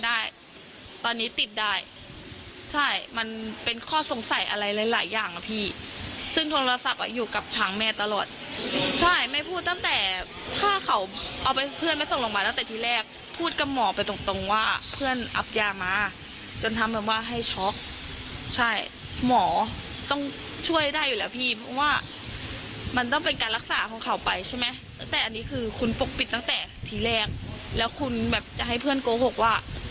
ได้ตอนนี้ติดได้ใช่มันเป็นข้อสงสัยอะไรหลายหลายอย่างนะพี่ซึ่งโทรศัพท์อ่ะอยู่กับทางแม่ตลอดใช่ไม่พูดตั้งแต่ถ้าเขาเอาไปเพื่อนไม่ส่งโรงพยาบาลตั้งแต่ที่แรกพูดกับหมอไปตรงตรงว่าเพื่อนอับยามาจนทำแบบว่าให้ช็อกใช่หมอต้องช่วยได้อยู่แล้วพี่เพราะว่ามันต้องเป็นการรักษาของเขาไปใช่ไหมแต่อันนี้คือคุณปกปิดตั้งแต่ทีแรกแล้วคุณแบบจะให้เพื่อนโกหกว่า